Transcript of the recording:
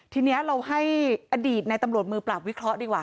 ทีนี้เราให้อดีตในตำรวจมือปราบวิเคราะห์ดีกว่า